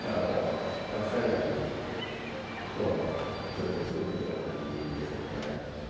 なくさないためにも、このままずっと作っていくような感じですね。